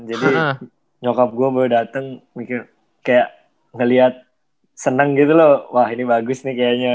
jadi nyokap gue baru dateng mikir kayak ngeliat seneng gitu loh wah ini bagus nih kayaknya